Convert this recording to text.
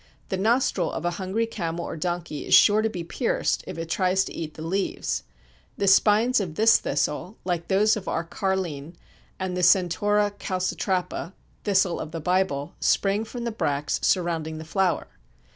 The nostril of a hungry camel or donkey is sure to be pierced if it tries to eat the leaves. The spines of this thistle, like those of our Carline and the Centaurea calcitrapa (thistle of the Bible), spring from the bracts surrounding the flower.